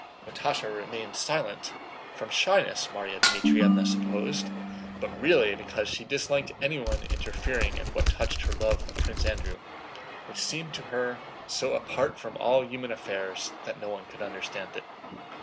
Natásha remained silent, from shyness Márya Dmítrievna supposed, but really because she disliked anyone interfering in what touched her love of Prince Andrew, which seemed to her so apart from all human affairs that no one could understand it.